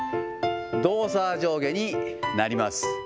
動作は上下になります。